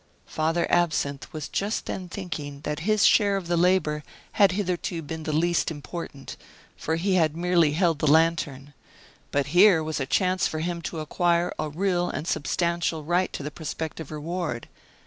Father Absinthe was just then thinking that his share of the labor had hitherto been the least important; for he had merely held the lantern. But here was a chance for him to acquire a real and substantial right to the prospective reward.